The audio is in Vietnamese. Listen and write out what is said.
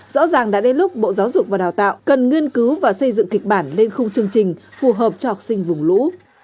rõ ràng đã đến lúc bộ giáo dục và đào tạo cần nghiên cứu và xây dựng kịch bản lên khung chương trình phù hợp cho học sinh vùng lũ